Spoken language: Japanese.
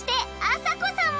あさこさん